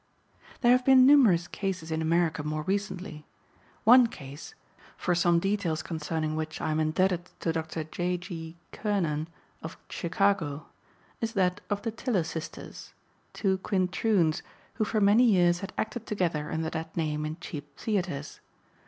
There have been numerous cases in America more recently. One case (for some details concerning which I am indebted to Dr. J.G. Kiernan, of Chicago) is that of the "Tiller Sisters," two quintroons, who for many years had acted together under that name in cheap theaters.